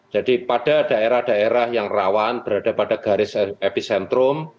jadi pada daerah daerah yang rawan berada pada garis epicentrum